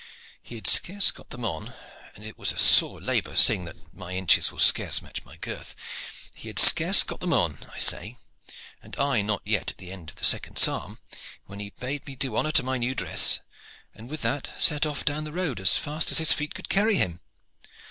He had scarce got them on, and it was a sore labor, seeing that my inches will scarce match my girth he had scarce got them on, I say, and I not yet at the end of the second psalm, when he bade me do honor to my new dress, and with that set off down the road as fast as feet would carry him.